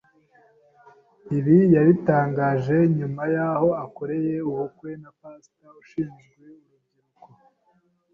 Ibi yabitangaje nyuma y’aho akoreye ubukwe na Pastor ushinzwe urubyiruko